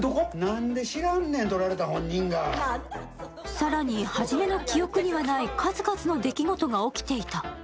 更に、ハジメの記憶にはない数々の出来事が起きていた。